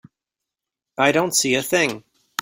I don't see a thing.